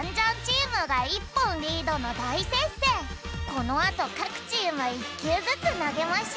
このあとかくチーム１きゅうずつなげましゅ。